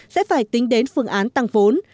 sẽ phải tính đến phương án tăng vốn